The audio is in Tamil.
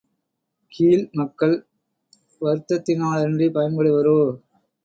கீழ் மக்கள் வருத்தினாலன்றிப் பயன்படுவரோ?